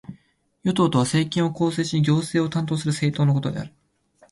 与党とは、政権を構成し行政を担当する政党のことである。